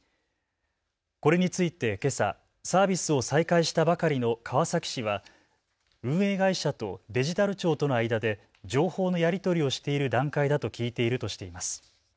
これについて、けさサービスを再開したばかりの川崎市は運営会社とデジタル庁との間で情報のやり取りをしている段階だと聞いているとしています。